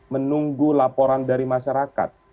menunggu laporan dari masyarakat